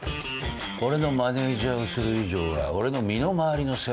俺のマネジャーをする以上は俺の身の回りの世話もしてもらう。